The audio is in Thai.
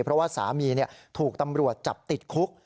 เพราะว่าสามีถูกตำรวจจับติดคุก